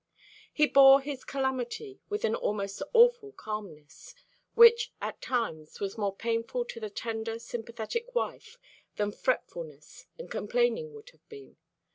He bore his calamity with an almost awful calmness, which at times was more painful to the tender, sympathetic wife than fretfulness and complaining would have been.